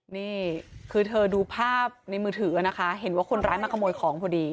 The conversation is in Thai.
นี่คือเธอดูภาพในมือถือนะคะเห็นว่าคนร้ายมาขโมยของพอดี